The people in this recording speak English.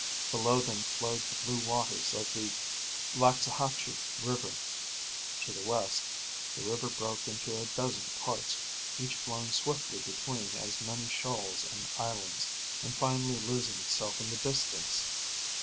Below them flowed the blue waters of the Laxahatchu River. To the west, the river broke into a dozen parts, each flowing swiftly between as many shoals and islands, and finally losing itself in the distance.